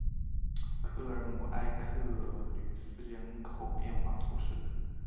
科尔姆埃克吕斯人口变化图示